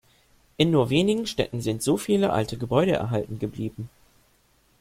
In nur wenigen Städten sind so viele alte Gebäude erhalten geblieben.